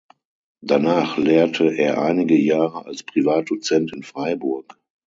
Danach lehrte er einige Jahre als Privatdozent in Freiburg.